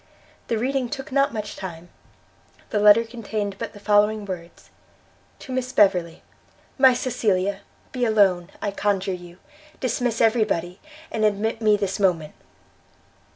The reading took not much time; the letter contained but the following words: To Miss Beverley. MY CECILIA! Be alone, I conjure you; dismiss every body, and admit me this moment!